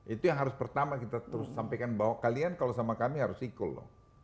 itu yang harus pertama kita terus sampaikan bahwa kalian kalau sama kami harus equal loh